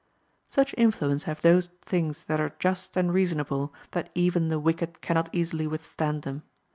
Such influence have those things that are just and reasonable, that even the wicked cannot easily with stand them.